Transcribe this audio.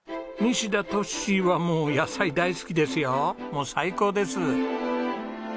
もう最高です！